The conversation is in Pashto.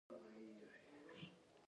د مچۍ په ځاله کې ملکه وي